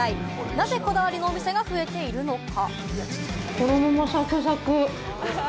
なぜ、こだわりの店が増えているのか？